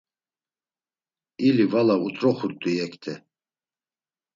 İli vala ut̆roxurt̆u yekte.